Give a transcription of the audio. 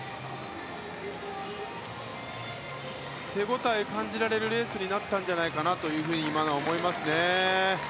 手応えを感じられるレースになったんじゃないかなと今のは思いますね。